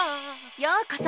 ようこそ。